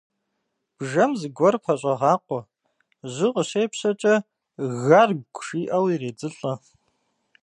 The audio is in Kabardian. Бжэм зыгуэр пэщӏэгъакъуэ, жьы къыщепщэкӏэ, «гаргу» жиӏэу иредзылӏэ.